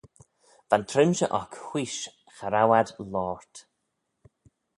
Va'n trimshey oc wheesh cha row ad loayrt.